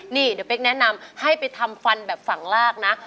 นี่เดี๋ยวเป๊กแนะนำให้ไปทำฟันแบบฝั่งลากนะ